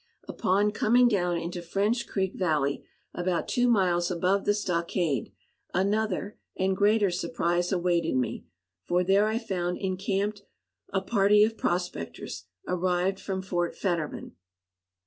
Upon coming down into French Creek valley, about two miles above the stockade, another and greater surprise awaited me; for there I found encamped a party of prospectors, arrived from Fort Fetterman.